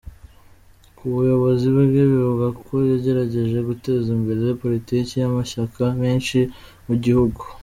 Ku buyobozi bwe bivugwa ko yagerageje guteza imbere politike y’amashyaka menshi mu gihugu.